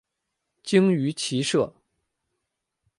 精于骑射。